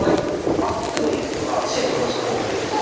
「まっすぐ行く」とか指示を出した方がいいですよね。